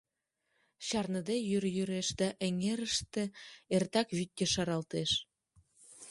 Чарныде йӱр йӱреш да эҥерыште эртак вӱд ешаралтеш.